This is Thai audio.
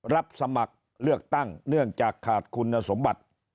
รับสมัครเลือกตั้งเนื่องจากขาดคุณสมบัติ